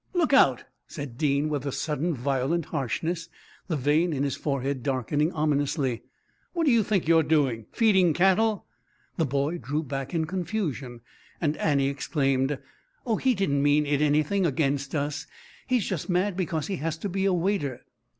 "Look out!" said Dean with sudden violent harshness, the vein in his forehead darkening ominously. "What do you think you're doing, feeding cattle?" The boy drew back in confusion, and Annie exclaimed: "Oh, he didn't mean it anything against us he's just mad because he has to be a waiter."